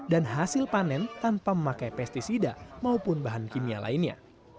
dan hasil panen tanpa memakai pesticida maupun bahan kimia lainnya